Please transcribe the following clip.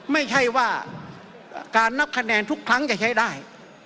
ไม่ใช่ว่าการนับคะแนนทุกครั้งจะใช้ได้